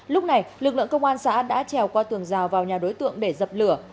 lúc này lực lượng công an xã đã trèo qua tường rào vào nhà đối tượng để dập lửa